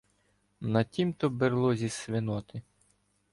На тім-то берлозі свиноти